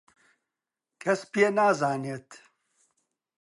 کەس پێ نازانێت.